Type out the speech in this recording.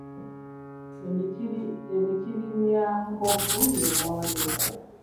Emitirimyankofu ye lumonde.